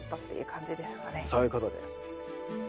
そういうことです。